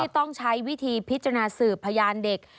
ต้องใช้วิธีพิจารณาสืบพยานเด็ก